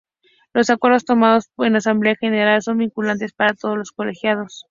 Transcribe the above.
Los acuerdos tomados en Asamblea General son vinculantes para todos los colegiados.